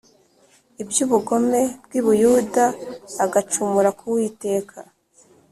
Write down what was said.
iby ubugome bwi Buyuda agacumura ku Uwiteka